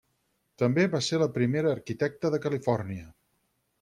També va ser la primera arquitecta de Califòrnia.